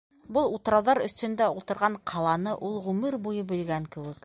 Был утрауҙар өҫтөндә ултырған ҡаланы ул ғүмер буйы белгән кеүек.